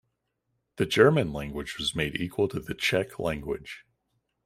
The German language was made equal to the Czech language.